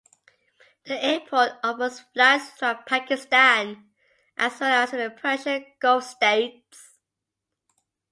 The airport offers flights throughout Pakistan, as well as to the Persian Gulf States.